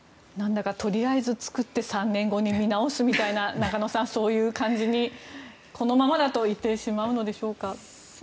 とりあえず作って３年後に見直すみたいな中野さん、そういう感じにこのままだと行ってしまうのでしょうか。